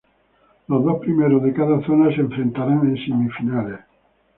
Los dos primeros de cada zona, se enfrentarán en semifinales.